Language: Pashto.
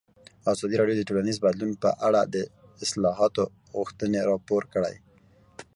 ازادي راډیو د ټولنیز بدلون په اړه د اصلاحاتو غوښتنې راپور کړې.